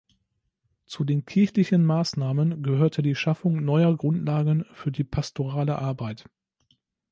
Zu den kirchlichen Maßnahmen gehörte die Schaffung neuer Grundlagen für die pastorale Arbeit.